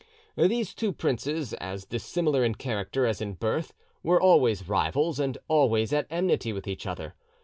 These two princes, as dissimilar in character as in birth, were always rivals and always at enmity with each other.